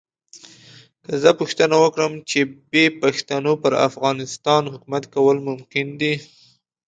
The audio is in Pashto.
که زه پوښتنه وکړم چې بې پښتنو پر افغانستان حکومت کول ممکن دي.